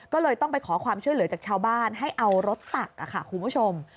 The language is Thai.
ก็เลยต้องไปขอความช่วยเหลือจากชาวบ้านให้เอารถตักค่ะคุณผู้ชม